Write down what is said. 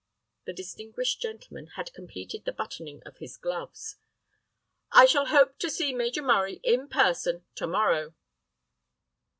The distinguished gentleman had completed the buttoning of his gloves. "I shall hope to see Major Murray in person to morrow."